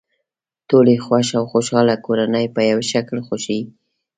ټولې خوښ او خوشحاله کورنۍ په یوه شکل خوښې دي.